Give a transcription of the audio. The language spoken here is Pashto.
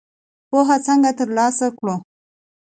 پوهه څنګه تر لاسه کړو؟